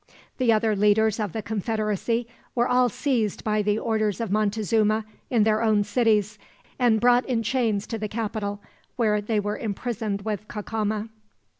The other leaders of the confederacy were all seized by the orders of Montezuma in their own cities, and brought in chains to the capital, where they were imprisoned with Cacama.